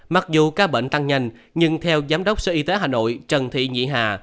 mặc dù ca bệnh tăng nhanh nhưng theo giám đốc sở y tế hà nội trần thị nhị hà